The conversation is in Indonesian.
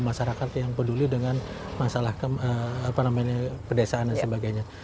masyarakat yang peduli dengan masalah pedesaan dan sebagainya